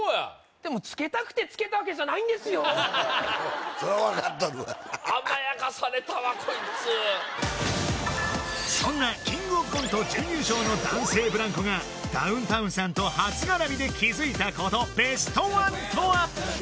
でもつけたくてつけたわけじゃないんですよそら分かっとるわ甘やかされたわこいつそんなキングオブコント準決勝の男性ブランコがダウンタウンさんと初絡みで気づいたことベストワンとは？